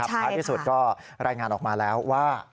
ท้ายที่สุดก็รายงานออกมาแล้วว่า